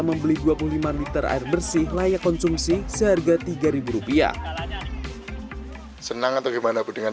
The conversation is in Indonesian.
membeli dua puluh lima liter air bersih layak konsumsi seharga tiga ribu rupiah senang atau gimana dengan